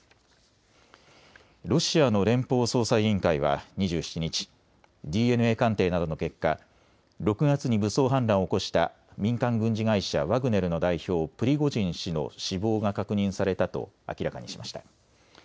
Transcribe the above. ロシアの連邦捜査委員会は２７日、ＤＮＡ鑑定などの結果、６月に武装反乱を起こした民間軍事会社、ワグネルの代表、プリゴジン氏の死亡が確認されたと明らかにしました。